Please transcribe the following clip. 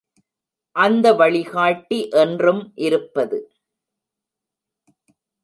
அந்த வழிகாட்டி என்றும் இருப்பது.